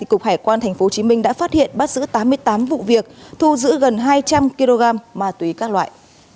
cục hải quan tp hcm đã phát hiện bắt giữ tám mươi tám vụ việc thu giữ gần hai trăm linh kg ma túy các loại